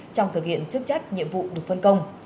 trong thực hiện chức trách nhiệm vụ được phân công